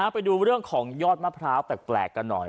ไปดูเรื่องของยอดมะพร้าวแปลกกันหน่อย